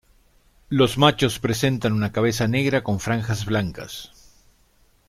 Los machos presentan una cabeza negra con franjas blancas.